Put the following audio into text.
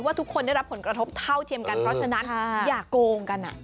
ทุกคนได้รับผลกระทบเท่าเทียมกันเพราะฉะนั้นอย่าโกงกัน